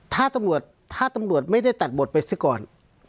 ถ้าตำรวจไม่ได้ตัดบทไปซะก่อน